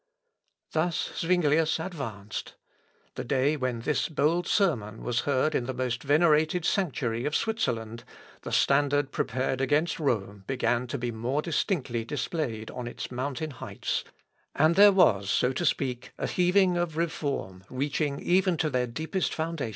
" Thus Zuinglius advanced. The day when this bold sermon was heard in the most venerated sanctuary of Switzerland, the standard prepared against Rome began to be more distinctly displayed on its mountain heights, and there was, so to speak, a heaving of reform reaching even to their deepest foundations.